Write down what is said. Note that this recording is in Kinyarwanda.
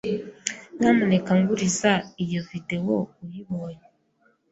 Nyamuneka nguriza iyo videwo uyibonye.